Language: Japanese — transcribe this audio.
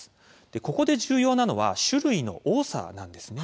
ここで重要なのは種類の多さなんです。